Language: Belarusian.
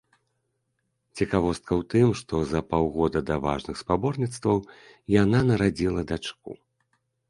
Цікавостка ў тым, што за паўгода да важных спаборніцтваў яна нарадзіла дачку.